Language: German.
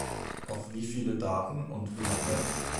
Auf wie viele Daten und wie lange?